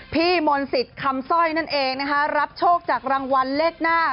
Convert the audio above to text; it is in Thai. พี่มนต์สิทธิ์คำสร้อยนั่นเองนะคะรับโชคจากรางวัลเลขหน้า